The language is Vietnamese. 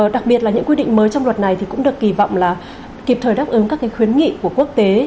đặc biệt là những quy định mới trong luật này thì cũng được kỳ vọng là kịp thời đáp ứng các khuyến nghị của quốc tế